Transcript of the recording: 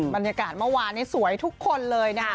บรรยากาศเมื่อวานนี้สวยทุกคนเลยนะคะ